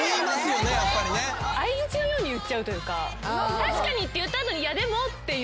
「確かに」って言った後に「いやでも」っていう。